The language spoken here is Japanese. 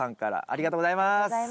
ありがとうございます。